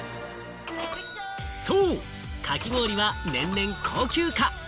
そう、かき氷は年々高級化。